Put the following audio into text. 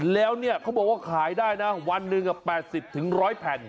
แล้วเนี่ยเขาบอกว่าขายได้นะวันหนึ่ง๘๐๑๐๐แผ่น